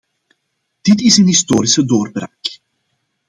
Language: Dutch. Dit is een historische doorbraak.